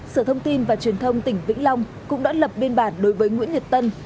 sở thông tin và truyền thông tỉnh vĩnh long cũng đã lập biên bản đối với nguyễn nhật tân